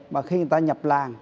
và khi người ta nhập làng